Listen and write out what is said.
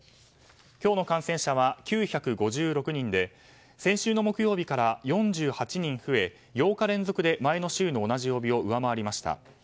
今日の感染者は９５６人で先週の木曜日から４８人増え８日連続で前の週の同じ曜日を上回りました。